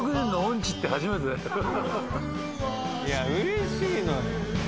いやうれしいのよ。